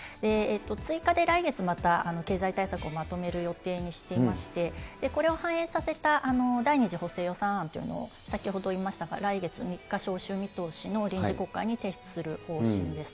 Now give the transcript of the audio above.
追加で来月また経済対策をまとめる予定にしていまして、これを反映させた第２次補正予算案というのを先ほど言いましたが、来月３日召集見通しの臨時国会に提出する方針です。